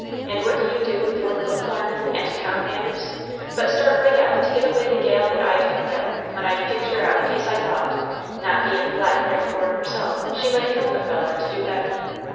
And what do you do with yor book larnin' and town manners but start right out to git away the gal that I'd picked out, when I'd picked her out kase I thought, not bein' Flat Crick born herself, she might help a feller to do better!